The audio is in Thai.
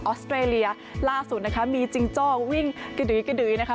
อสเตรเลียล่าสุดนะคะมีจิงโจ้วิ่งกระดือยกระดือยนะคะ